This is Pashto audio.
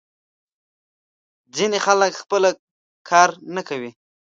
ځینې خلک خپله کار نه کوي.